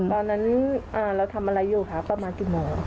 ตอนนั้นเราทำอะไรอยู่คะประมาณกี่โมง